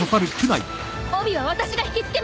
帯は私が引きつけます！